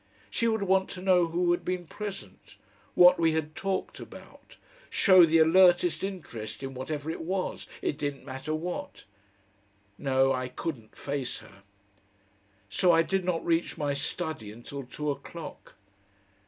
She would want to know who had been present, what we had talked about, show the alertest interest in whatever it was it didn't matter what.... No, I couldn't face her. So I did not reach my study until two o'clock.